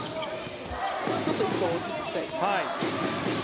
ちょっと１回落ち着きたいですね。